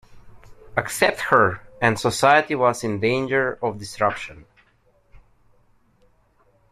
Accept her, and society was in danger of disruption.